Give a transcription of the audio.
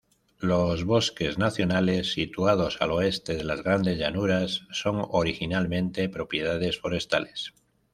Los bosques nacionales situados al oeste de las Grandes Llanuras son originalmente propiedades forestales.